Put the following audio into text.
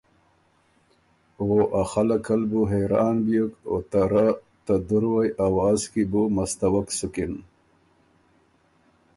که ا خلق ال بُو حېران بیوک او ته رۀ ته دُروئ اواز کی بُو مستَوَک سُکِن۔